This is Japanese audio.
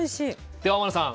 で天野さん